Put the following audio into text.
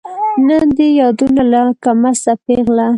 نن دي یادونو لکه مسته پیغله